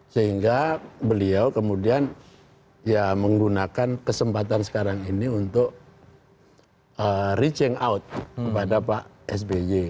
sehingga beliau kemudian ya menggunakan kesempatan sekarang ini untuk reaching out kepada pak sby